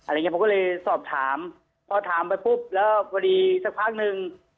อย่างเงี้ผมก็เลยสอบถามพอถามไปปุ๊บแล้วพอดีสักพักนึง